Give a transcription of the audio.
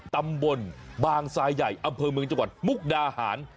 ตำบลบางทรายใหญ่อำเภอเมืองจังหวัดมุกดาหาร